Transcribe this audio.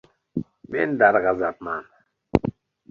“Men darg‘azabman”.